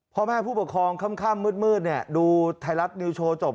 พ่อแม่ผู้ปกครองค่ำมืดดูไทยรัฐนิวโชว์จบ